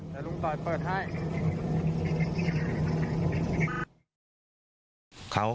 แล้วลุงต่อเปิดให้